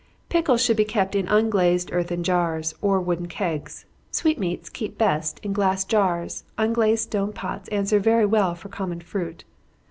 _ Pickles should be kept in unglazed earthen jars, or wooden kegs. Sweetmeats keep best in glass jars; unglazed stone pots answer very well for common fruit.